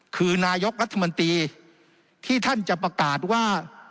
คือนายกรัฐมนตรีที่ท่านจะประกาศว่า